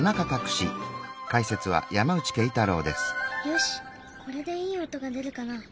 よしこれでいい音が出るかな？